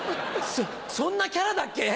そんなキャラだっけ？